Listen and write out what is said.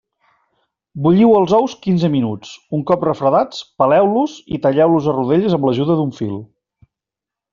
Bulliu els ous quinze minuts; un cop refredats, peleu-los i talleu-los a rodelles amb l'ajuda d'un fil.